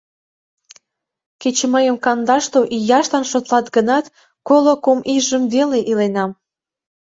Кеч мыйым кандашлу ияшлан шотлат гынат, коло кум ийжым веле иленам.